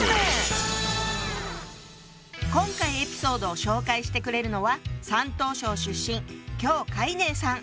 今回エピソードを紹介してくれるのは山東省出身姜海寧さん。